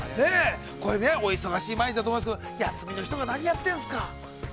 これ、お忙しい毎日だと思いますが、休みの日とか、何やってるんですか。